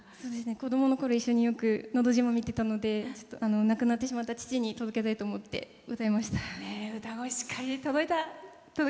子どものころ、一緒によく「のど自慢」見てたんで亡くなってしまった父に届けたいと思ってお名前を。